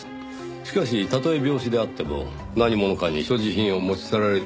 しかしたとえ病死であっても何者かに所持品を持ち去られている以上。